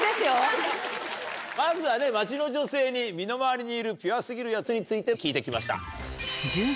まずは街の女性に身の回りにいるピュア過ぎるヤツについて聞いて来ました。